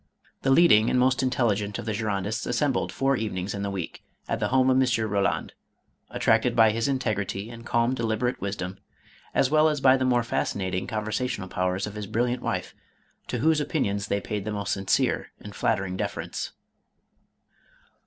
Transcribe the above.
The leading and most intelligent of the Girondists as sembled four evenings in the week, at the house of M. Eoland, attracted by his integrity and calm deliber ate wisdom, as well as by the more fascinating con versational powers of his brilliant wife, to whose opin ions they paid the most sincere and flattering deference.